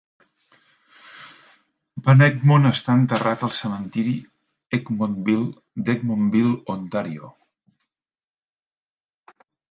Van Edgmond està enterrat al cementiri Egmondville d'Egmondville, Ontàrio.